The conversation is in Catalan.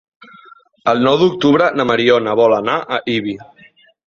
El nou d'octubre na Mariona vol anar a Ibi.